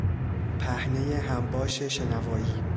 پهنهی همباش شنوایی